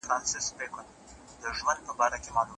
خدایه سترګي مي ړندې ژبه ګونګۍ کړې